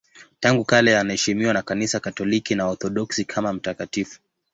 Tangu kale anaheshimiwa na Kanisa Katoliki na Waorthodoksi kama mtakatifu.